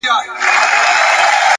هره لاسته راوړنه د زحمت نتیجه ده!.